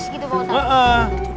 makam matis gitu pak ustadz